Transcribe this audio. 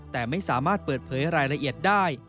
แต่ไม่สามารถเปิดเผยรายละเอียดได้